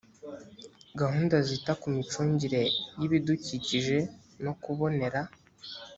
gahunda zita ku micungire y ibidukikije no kubonera